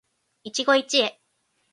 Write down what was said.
一期一会